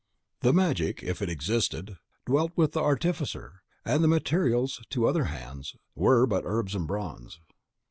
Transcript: The magic, if it existed, dwelt in the artificer, and the materials, to other hands, were but herbs and bronze.